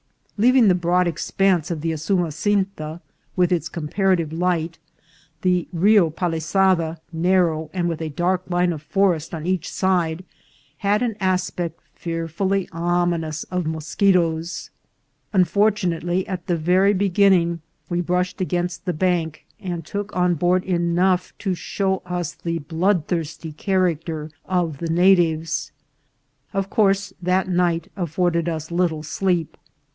Leaving the broad expanse of the Usumasinta, with its comparative light, the Rio Palisada, narrow, and with a dark line of forest on each side, had an aspect fearfully ominous'of moschetoes. Unfortunately, at the very beginning we brushed against the bank, and took on board enough to show us the bloodthirsty character of the natives. Of course that night afforded us little sleep.